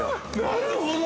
◆なるほど。